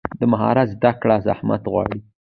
د مهارت زده کړه زحمت غواړي.